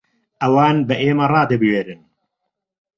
ئەوان بە ئێمە ڕادەبوێرن؟